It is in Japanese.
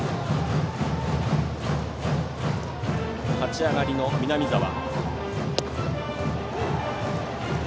立ち上がりの南澤。